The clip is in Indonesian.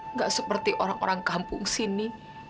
nggak seperti orang orang kampung sini